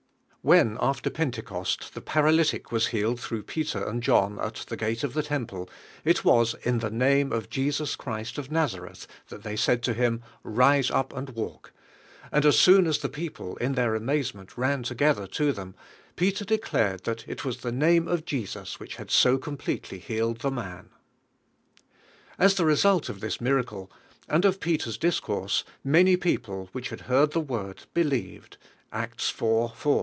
WHEN, after Pentecost, the paralytio was healed through Peter and John at the gate of the temple, it was "in the name of Jeans Christ of Nazareth" thait they said to him, "Rise np and walk," and as soon as the people in their amazement ran together to them, Peter declared that it was the name of Jesus which had so completely healed the man. As the result of this miracle and Of Pe ter's discourse many people "whl«h had heard the Word believed (Acts It. i).